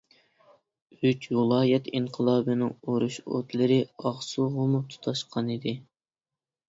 ئۈچ ۋىلايەت ئىنقىلابىنىڭ ئۇرۇش ئوتلىرى ئاقسۇغىمۇ تۇتاشقانىدى.